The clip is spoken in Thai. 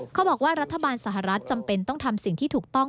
เขาบอกว่ารัฐบาลสหรัฐจำเป็นต้องทำสิ่งที่ถูกต้อง